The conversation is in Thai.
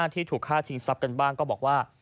ที่ถูกฆ่าชิงทรัพย์กันบ้างก็บอกว่า